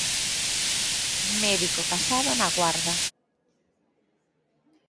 Médico casado na Guarda.